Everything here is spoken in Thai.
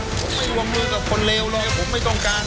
ผมไม่วงมือกับคนเลวเลยผมไม่ต้องการ